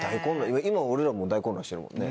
今俺らも大混乱してるもんね。